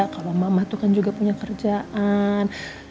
kalau mama itu kan juga punya kerjaan